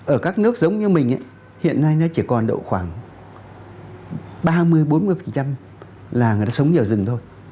ở các nước giống như mình hiện nay nó chỉ còn độ khoảng ba mươi bốn mươi là người ta sống ở rừng thôi